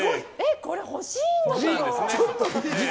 これ、欲しいんだけど！